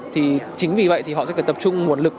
thì chính vì vậy thì họ sẽ phải tập trung nguồn lực